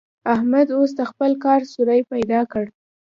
احمد اوس د خپل کار سوری پيدا کړ.